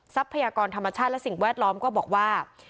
ทรัพยากรธรรมชาติและสิ่งแวดล้อมก็บอกว่า